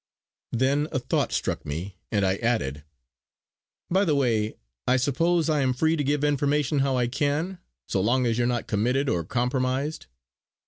Then a thought struck me and I added, "By the way, I suppose I am free to give information how I can, so long as you are not committed or compromised?"